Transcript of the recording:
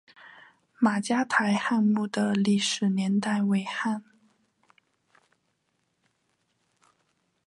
马家台汉墓的历史年代为汉。